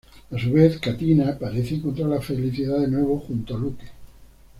A su vez, Katina parece encontrar la felicidad de nuevo junto a Luque.